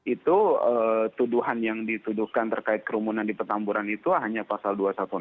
itu tuduhan yang dituduhkan terkait kerumunan di petamburan itu hanya pasal dua ratus enam puluh